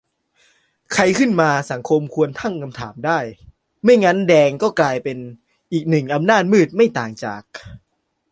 ใครขึ้นมา สังคมควรตั้งคำถามได้ ไม่งั้นแดงก็กลายเป็นอีกหนึ่งอำนาจมืด ไม่ต่างจาก